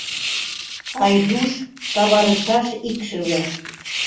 Айдуш... каварышаш икшыве!..